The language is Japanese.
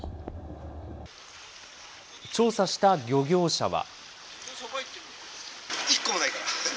調査した漁業者は。